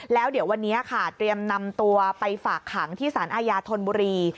แล้วเดี๋ยววันนี้ค่ะเตรียมนำตัวไปฝากขังที่สารอาญาธนบุรี